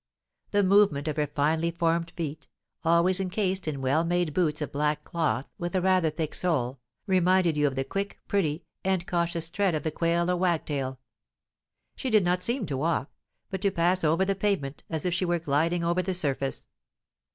The movement of her finely formed feet, always encased in well made boots of black cloth, with a rather thick sole, reminded you of the quick, pretty, and cautious tread of the quail or wagtail. She did not seem to walk, but to pass over the pavement as if she were gliding over the surface.